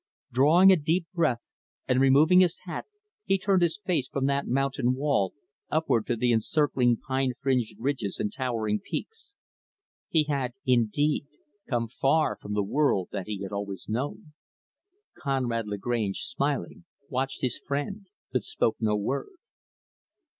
Drawing a deep breath, and removing his hat, he turned his face from that mountain wall, upward to the encircling pine fringed ridges and towering peaks. He had, indeed, come far from the world that he had always known. Conrad Lagrange, smiling, watched his friend, but spoke no word.